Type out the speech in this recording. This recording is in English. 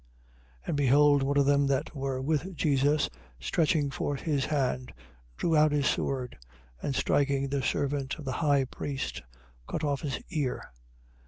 26:51. And behold one of them that were with Jesus, stretching forth his hand, drew out his sword: and striking the servant of the high priest, cut off his ear.